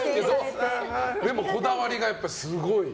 でもこだわりがすごい。